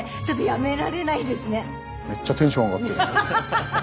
めっちゃテンション上がってる。